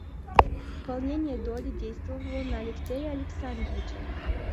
Волнение Долли действовало на Алексея Александровича.